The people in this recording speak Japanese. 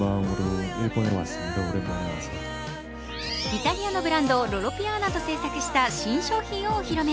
イタリアのブランドロロ・ビアーナと製作した新商品をお披露目。